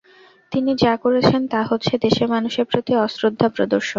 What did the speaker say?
তিনি যা করেছেন, তা হচ্ছে দেশের মানুষের প্রতি অশ্রদ্ধা প্রদর্শন।